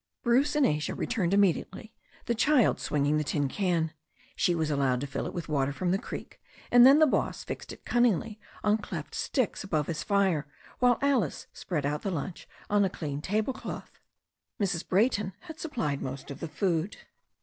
Bruce and Asia returned immediately, the child swinging the tin can. She was allowed to fill it with water from the creek, and then the boss fixed it cunningly on cleft sticks above his fire, while Alice spread out the lunch on a clean table cloth. Mrs. Brayton had supplied most of the food.